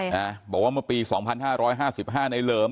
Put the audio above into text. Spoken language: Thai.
นะบอกว่าเมื่อปี๒๕๕๕ในเหลิม